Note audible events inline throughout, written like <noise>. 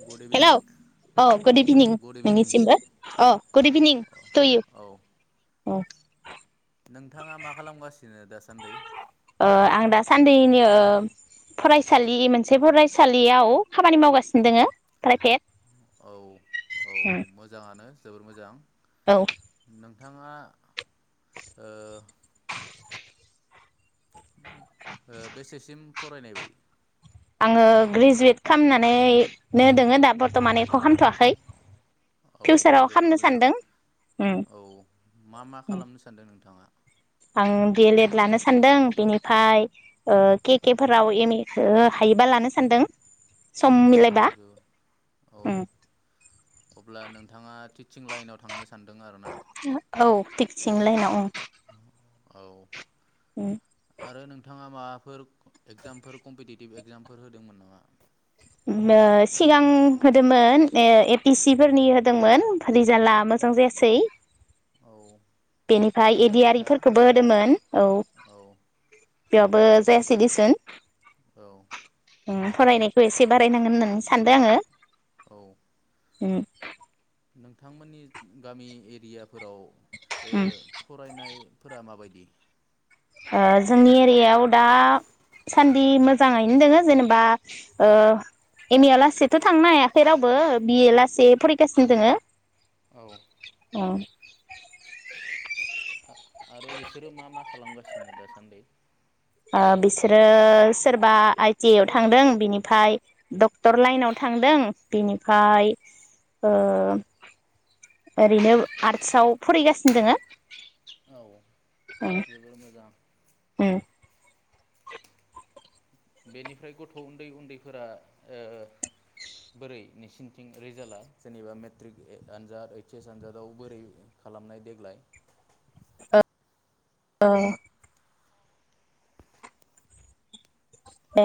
Good इभिनिं hello अ good evening good evening नोंनिसिमबो अ good evening तु औ U औ नोंथाङा मा खालामगासिनो दासान्दै? ओ आं दासान्दैनि ओ फरायसालि मोनसे फरायसालियाव खामानि मावगासिनो दोङो प्राइभेट औ औ मोजाङानो। जोबोर मोजां। औ नोंथाङा ओ ओ बेसेसिम फरायनाय बाय आङो ग्रेजुवेट खालामनानैनो दोङो दा बर्थमानै। औ जोबोर खालामनो मोजां सानदों उम औ मा मा खालामनो सानदों नोंथाङा? आं दि एल एड लानो सान्दों बिनिफाय केके फोराव एम ए खौ हायोबा लानो सानदों। सम औ मिलायबा ज औ उम अब्ला नोंथाङा थि सिं लाइनाव थांनो सानदों आरोना औ थिगसिं लाइनाव उम औ उम। आरो नोंथाङा माबाफोर एगजामफोर कम्पिटिटिभ एक्जामफोर होदोंमोन नामा? उम ओ सिगां होदोंमोन ओ ए पि सि फोरनि होदोंमोन। रिजालआ मोजां जायासै। औ बेनिफ्राय नाजाबाय था एदिआरयिफोरखौबो होदोंमोन। औ औ बेयावबो जायासै दिसुन। औ उम फरायनायखौ एसे बारायनांगोन होननानै सानदों आङो। औ उम नोंथांमोननि गामि एरियाफोराव ओ उम फरायनाय फोरा माबायदि? ओ जोंनि एरियायाव दासान्दि मोजाङैनो दोङो जेनेबा ओ एम ए यालासैथ थांनो हायाखै रावबो बि ए लासै फरायगासिनो दोङो। औ उम आ-आरो बिसोरो मा मा खालामगासिनो दासान्दै? आ बिसोरो सोरबा आइ टि आइ आव थांदों, बिनिफ्राय डक्टर लाइनाव थांदों, बिनिफ्राय ओरैनो आर्टसआव फरायगासिनो दोङो। औ जोबोर मोजां। उम बेनिफ्राय गथ' उन्दै उन्दैफोरा ओ बोरै नोंसिनिथिं रिजाल्टआ जेनेबा मेट्रिक आनजाद ओइच एस आनजादाव बोरै खालामनाय देग्लाय? ओ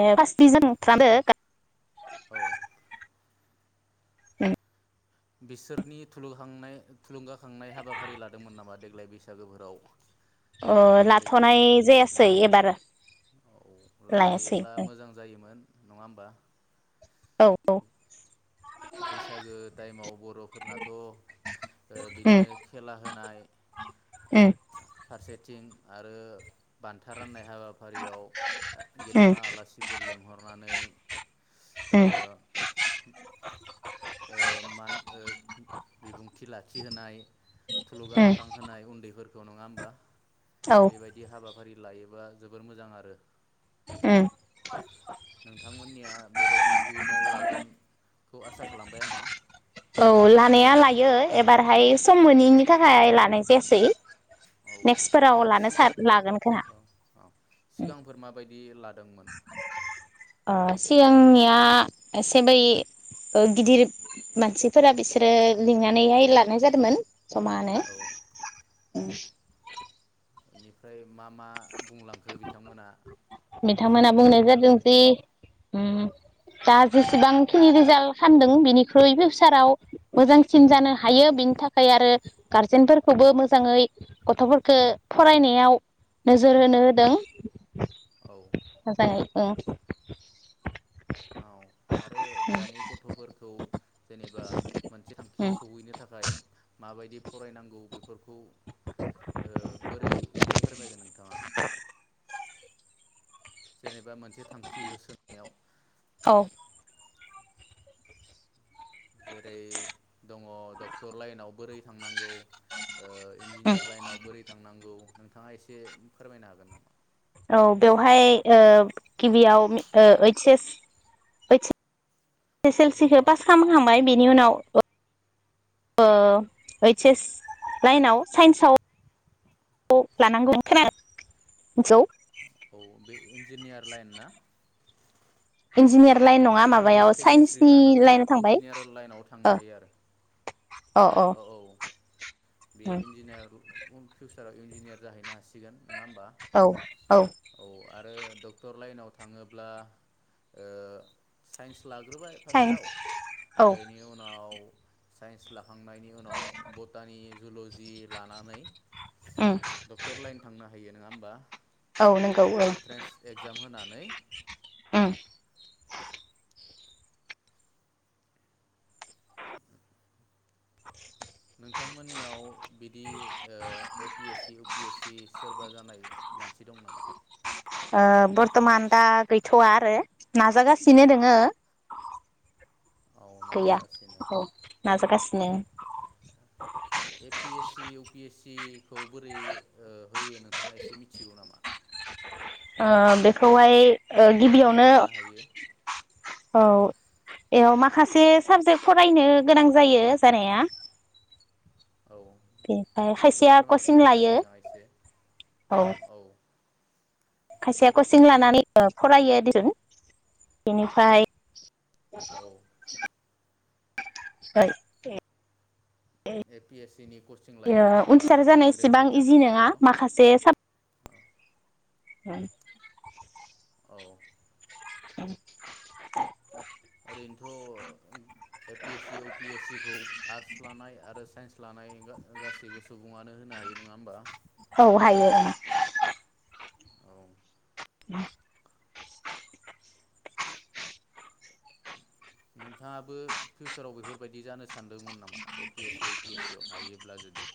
ए फारस्टिभिसन खालामदो औ उम बिसोरनि थुलुगखांनाय-थुलुंगाखांनाय हाबाफारि लादोंमोन नामा देग्लाय बैसागोफोराव? अ ओरैनो लाथनाय जायासै एबार। औ लायासै लायोब्ला औ मोजां जायोमोन। नङा होमबा? औ औ बैसागो टाइमाव बरफोरनाथ ओ बिदिनो खेला होनाय उ फारसेथिं आरो बान्था राननाय हाबाफारियाव ओ उम गेदेमा आलासिफोर लेंहरनानै ओ ओ मान ओ बिबुंथि लाखिहोनाय उम थुलुंगाखां होनाय उन्दैफोर नङा होमबा औ बेबायदि हाबा फारि लायोबा जोबोर मोजां आरो उम नोंथांमोननिया बेबायदि इयुनाव लागोनखौ आसा खालामबाय आङो औ लानाया लायो एबारहाय सम मोनैनि थाखाय लानाय जायासै औ नेक्स्टफोराव आरै लानो सा सिगां लागोन खोमा औ औ सिगांफोर माबायदि <unintelligible> अ सिगांनिया आ एसे बै ओ गिदिर मानसिफोरा बिसोरो लिंनानैहाय लानाय जादोंमोन। जमानो औ ओम बेनिफ्राय मा मा बुंलांखो बिथांमोना बिथांमोना बुंनाय सोलोंथाइनि जादों बागै जि ओम दा जेसेबांखिनि रिजाल्ट खामदों बिनिख्रुइ फिउसाराव मोजांसिन जानो हायो बिनि थाखाय आरो गारजेनफोरखौबो मोजाङै गथ'फोरखो फरायनायाव नोजोर होनो होदों। औ मोजाङै ओं औ आरो दानि गथ'फोरखौ जेनेबा मोनसे थांखियाव उम सौहैनो थाखाय मा बादि फरायनांगौ गो फोरखौ ओ बोरै फोरमायगोन नोंथाङा? जेनेबा मोनसे थांखि होसोनायाव औ जेरै दङ डक्टर लाइनाव बोरै थांनांगौ ओ उम इन्जिनियार लाइनाव बोरै थांनांगौ नोंथाङा एसे फोरमायनो हागोन नामा औ बेवहाय गिबियाव ओ ओइस एस ओइस एस एल सिखो औ पास खामखांबाय बेनि उनाव ओ ओइस एस लाइनाव साइन्सआव लानांगौ खोनादों हेलौ औ बे इन्जिनियार लाइन ना औ इन्जिनियार लाइन नङा फिजिक्स माबायाव केमेस्ट्रि साइन्सनि लानानै लाइनाव थांबाय इन्जिनियार लाइनाव थांनो ओ हायोआरो अ अ औ औ बे उम इन्जिनियार उन फिउ साराव इन्जिनियार जाहैनो हसिगोन औ औ आरो डक्टर लाइनाव थाङोब्ला ओ साइन्स लाग्रोबाय फार्स्टआव साइन्स औ बेनि उनाव साइन्स लाखांनायनि उनाव बटानि जुलजि लानानै उम डक्टर लाइन थांनो हायो नङा होनबा औ नंगौ औ एन्ट्रेन्स एक्जाम होनानै उम नोंथांमोननियाव बिदि ओ A P S C U P S C सोरबा जानाय मानसि दं नामा? ओ बर्थमान दा गैथवा आरो नाजागासिनो दोङो औ गैया नाजागासिनो औ नाजागास नो A P S C, U P S C खौ बोरै ओ होयो नोंथाङा एसे मिथिगौ नामा ओ बेख खौहाय मा ओ फरायनानै गिबियावनो होनो हायो औ बेयाव माखासे साबजेक्ट फरायनो गोनां जायो जानाया औ बेनिफ्राय खायसेया फोरमायथिना कचिं होलाय लायो नोंथाङा एसे औ खायसेया कचिं लानानै फरायो बेनिफ्राय औ <inaudible> सय थे ए पि एस सि नि कचिं लायो नङा होमबा उन्थिसार जानायसिबां ग्रेजुवेट इजि नङा जाखांनायनि उनाव औ उम औ उम ओरैनोथ' A P S C U P S C खौ आर्टस लानाय आरो साइन्स लानाय गा-गासिबो स सुबुङानो होनो हायो नोङा होमबा औ हायो ओं औ उम नोंथाङाबो फिउसाराव बेफोरबायदि जानोस सानदोंमोन नामा A P S C, U P S C आव हायोब्ला जुदि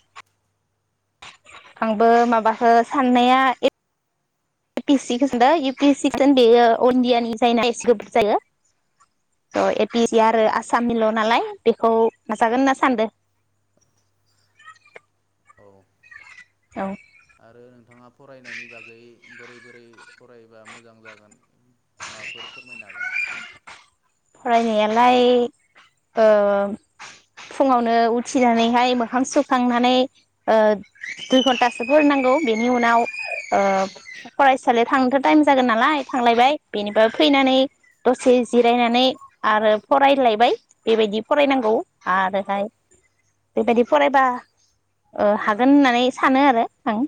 आंबो माबाखो साननाया <unintelligible> बेयो अल इण्डियानि जायोना एसे गोब्राब जायो बिदि आरो औ आसामनिल नालाय। बेखौ नाजागोन होनना सानदों। औ औ। आरो नोंथाङा फरायनायनि बागै बोरै बोरै फरायबा मोजां जागोन माबाफोर फोरमायनो हागोन नामा? फरायनायालाय ओ फुङावनो उथिनानैहाय मोखां सुखांनानै ओ दुइ घन्टासो फरायनांगौ बेनि औ उनाव ओ फरायसालियाव थांनोथ टाइम जागोन नालाय थांलायबाय। बेनिफ्राय फैनानै दसे जिरायनानै आरो फरायलायबाय बेबायदि फरायनांगौ। गौ औ आरोहाय। बेबायदि फरायबा ओ हागोन होननानै सानो आरो आं।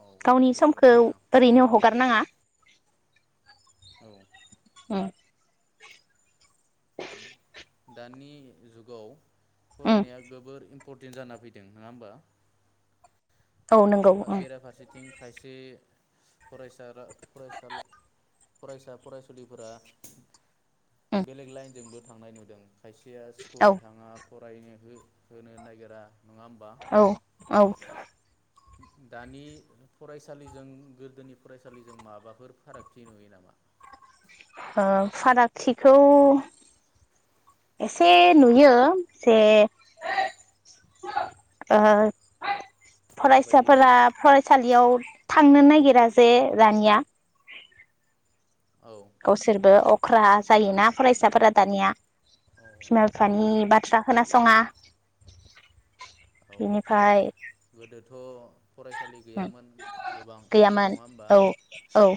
औ गावनि जोबोर समखौ मोजां ओरैनो हगारनाङा। औ उम। <inaudible> दानि जुगाव। उम फरायनाया गोबोर। इम्परटेन्ट जाना फैदों नङा होमबा। औ नंगौ। थिं खायसे फरायसा फरायसा फरायसा फरायसुलिफोरा। उम बेलेग लाइनजोंबो। थांनाय नुदों। खायसेया औ स्कुल थाङा। फरायनो हो-होनो नागिरा। नङा होमबा औ औ। दानि फरायसालिजों गोदोनि फरायसालिजों माबाफोर फारागथि नुयो नामा? ओ फारागथिखौ एसे नुयो जे ओ माबायदि फरायसाफोरा नुयो फरायसालियाव। थांनो नागिरा जे दानिया। औ गावसोरबो अ अख्रा जायोना फरायसाफोरा दानिया। औ बिमा औ बिफानि बाथ्रा खोनासङा। औ बेनिफ्राय गोदोथ फरायसालि गैयामोन गोबां गैयामोन नङा होमबा। औ औ ओं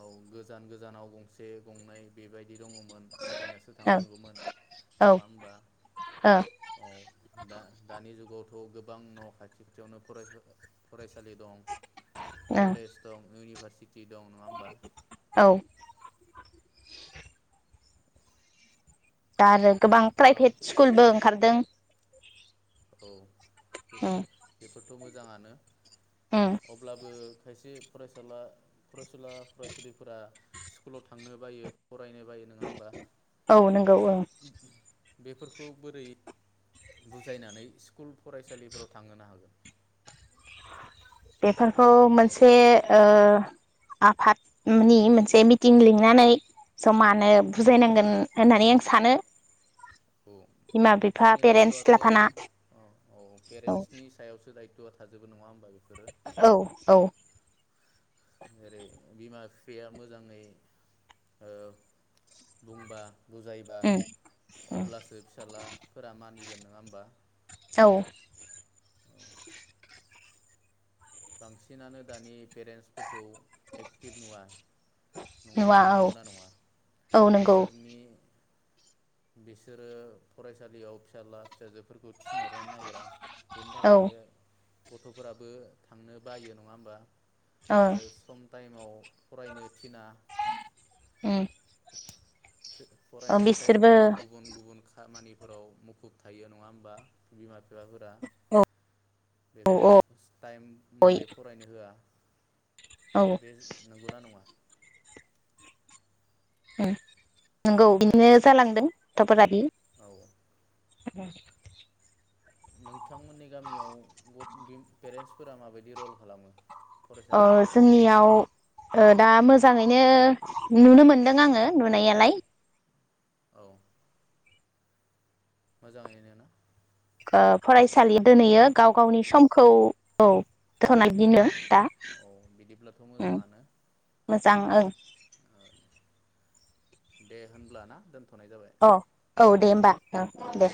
औ गोजान गोजानाव गंसे गंनै बेबाय दंमोन थायबायनानैसो औ थांनांगौमोन ओ नङा होनबा औ दा-दानि जुग। गथ' गोबां न' खाथि खाथियावनो फरासा फरायसालि दं। ओं कलेज दं इउनिभारस थि दं नङा होमबा? औ दा आरो। गोबां प्राइभेट स्कुलबो ओंखारदों औ उम बेफोर थ मोजाङानो उम अब्लाबो खायसे फरायसुला फरायसुला फरायसुलिफोरा स्कुलाव थांनो बायो। फरायनो बायो नङा होमबा? औ नंगौ ओं बेफोरखौ बोरै बुजायनानै स्कुल फरायसालिफोराव थांहोनो हागोन। बेफोरखौ मोनसे ओ आफादनि मोनसे मिटिं लिंनानै समा ओ औ बुजायनांगोन। होननानै आं सानो। औ बिमा बिफा बेफोरनि दायथ पेरेन्टस आथ औ लाफाना औ औ पेरेन्टसनि सायावसो दायथआथ थाजोबो नङा होम औ औ। जेरै बिमा बिफाया मोजाङै ओ बुंबा बुजायबा उम उम अब्लासो फिसाज्लाफोरा मानिगोन नङा होमबा? औ बांसिनानो दानि पेरेन्टसफोरख खौ एक्टिभ नुवा नुवा औ नं-नंगौना नङा औ नंगौ बिसोरनि बिसोरो फरायसालियाव फिसाला फिसाजो फोरखौ थिनहरनो नागिरा बेनि औ ओ थाखायनो गथफोराबो थांनो बायो नङा, होमबा? आरो सम टाइमाव फरायनो थिना ओम। फरायनाय टाइमाव गुबुन गुबुन खामानि फोराव मुखुब थायो नङा होमबा बिमा बिफ बिफाफोरा औ बेखौ औ औ टाइम मथे फरायनो होआ। औ बे उम नंगौना नङा? ओम नंगौ बिदिनो जालांदों <unintelligible> औ <unintelligible> नोंथांमोननि गामियाव गथ बे पेरेन्टसफोरा माबायदि रल खालामो अ फरायसाफोरनि सायाव जोंनियाव ओ दा मोजाङैनो नुनो मोनदों आङो नुनायालाय। औ मोजाङैनो ना? ओ औ फरायसालि दोनैयो बि गाव गावनि सम खौ औ <unintelligible> दा औ बिदिब्लाथ' उम मोजाङानो मोजां ओं। ओ दे होनब्लाना दोन अ औ दे होमबा। ओ दे।